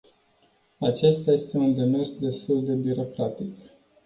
Acesta este un demers destul de birocratic.